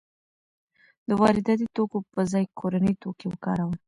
د وارداتي توکو په ځای کورني توکي وکاروئ.